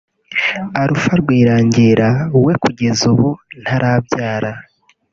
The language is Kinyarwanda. Alpha Rwirangira we kugeza ubu ntarabyara